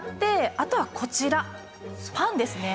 あとはこちらパンですね。